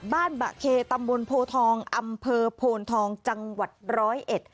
บะเคตำบลโพทองอำเภอโพนทองจังหวัดร้อยเอ็ด